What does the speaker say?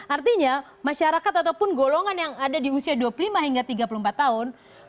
artinya masyarakat ataupun golongan yang ada di usia dua puluh lima hingga tiga puluh empat tahun